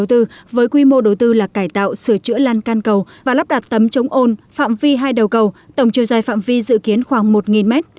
đối tư với quy mô đối tư là cải tạo sửa chữa lan can cầu và lắp đặt tấm chống ồn phạm vi hai đầu cầu tổng chiều dài phạm vi dự kiến khoảng một m